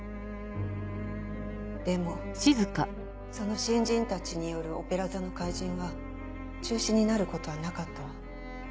でもその新人たちによる『オペラ座の怪人』は中止になることはなかったわ。